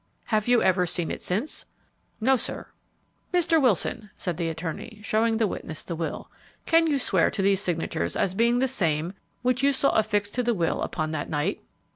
"Have you ever seen it since?" "No, sir." "Mr. Wilson," said the attorney, showing the witness the will, "can you swear to these signatures as being the same which you saw affixed to the will upon that night?"